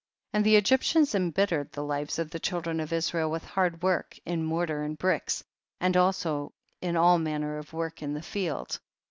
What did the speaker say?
36. And the Egyptians embittered the lives of the children of Israel with hard work, in mortar and bricks, and also in all manner of work in the field.